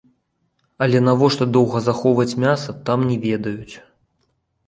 Але навошта доўга захоўваць мяса, там не ведаюць.